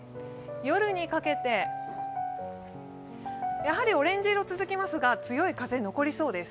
夜にかけて、やはりオレンジ色が続きますが、強い風が残りそうです。